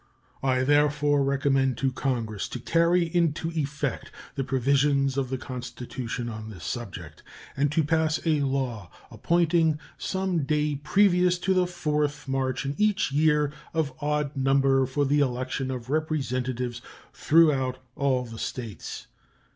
I therefore recommend to Congress to carry into effect the provisions of the Constitution on this subject, and to pass a law appointing some day previous to the 4th March in each year of odd number for the election of Representatives throughout all the States.